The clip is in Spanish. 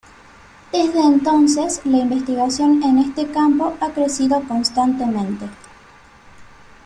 Desde entonces, la investigación en este campo ha crecido constantemente.